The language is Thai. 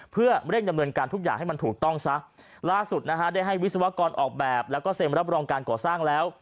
เพื่อเร่งดำเนินการทุกอย่างให้มันถูกต้องซะล่าสุดนะฮะได้ให้วิศวกรออกแบบแล้วก็เซ็นรับรองการก่อสร้างแล้ว